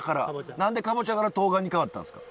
何でカボチャからとうがんに変わったんですか？